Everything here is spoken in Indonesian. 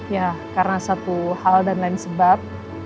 ya karena satu hal dan lain sebab